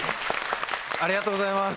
ありがとうございます。